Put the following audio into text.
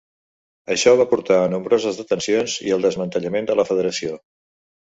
Això va portar a nombroses detencions i al desmantellament de la Federació.